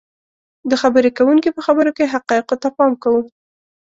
. د خبرې کوونکي په خبرو کې حقایقو ته پام کوو